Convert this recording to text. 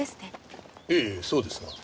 ええそうですが。